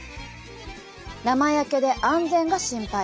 生焼けで安全が心配。